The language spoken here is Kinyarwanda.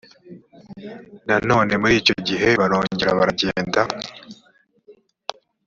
nanone muri icyo gihe barongera baragenda